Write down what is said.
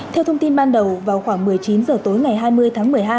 theo thông tin ban đầu vào khoảng một mươi chín h tối ngày hai mươi tháng một mươi hai